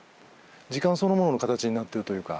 時間そのものの形になってるというか。